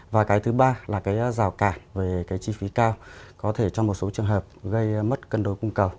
và cái thứ ba là cái rào cản về cái chi phí cao có thể trong một số trường hợp gây mất cân đối cung cầu